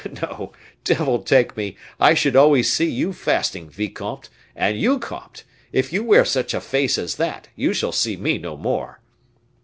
No, devil take me! I should always see you fasting, vicomte, and you, comte, if you wear such a face as that, you shall see me no more."